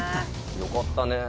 よかったね。